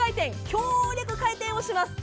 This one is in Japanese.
強力回転をします。